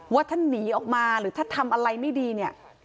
ว่าถ้าหนีออกมาหรือถ้าทำอะไรไม่ดีเนี่ย